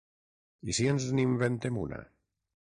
I si ens n'inventem una?